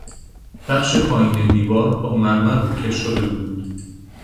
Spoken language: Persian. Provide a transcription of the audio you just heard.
بخش پایین دیوار با مرمر روکش شده بود.